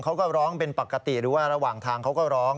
เขาก็ร้องเป็นปกติหรือว่าระหว่างทางเขาก็ร้อง